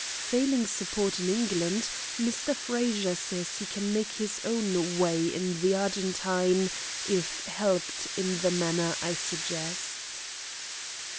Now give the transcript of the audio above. Failing support in England, Mr. Frazer says he can make his own way in the Argentine if helped in the manner I suggest."